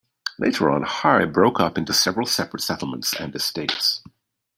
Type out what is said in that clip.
Later on, Hajr broke up into several separate settlements and estates.